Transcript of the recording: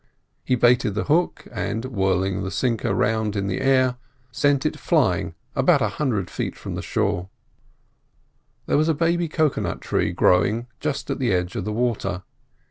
He baited the hook, and whirling the sinker round in the air sent it flying out a hundred feet from shore. There was a baby cocoa nut tree growing just at the edge of the water.